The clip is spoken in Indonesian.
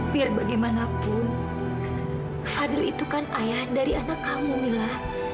biar bagaimanapun fadil itu kan ayah dari anak kamu mila